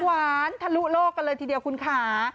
หวานทะลุโลกกันเลยทีเดียวคุณค่ะ